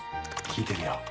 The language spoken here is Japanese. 聞いてるよ